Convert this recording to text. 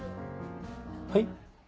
はい？